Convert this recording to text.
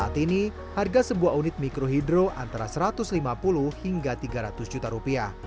saat ini harga sebuah unit mikrohidro antara rp satu ratus lima puluh hingga rp tiga ratus juta rupiah